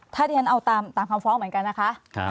ถ้าที่ฉันเอาตามคำฟ้องเหมือนกันนะคะ